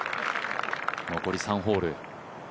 残り３ホール。